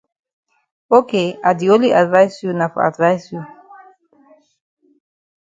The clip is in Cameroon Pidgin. Ok I di only advice you na for advice you.